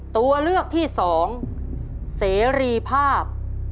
ตัวเลือกที่สองเสรีภาพ